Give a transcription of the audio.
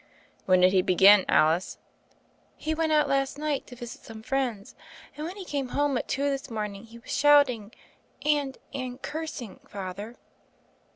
"When did he begin, Alice?" He went out last night to visit some friends, and when he came home at two this morning, he was shouting and — and — cursing. Father."